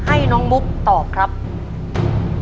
ขอเชิญแม่จำรูนขึ้นมาต่อชีวิต